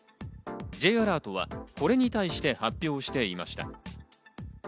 Ｊアラートはこれに対して発表していました。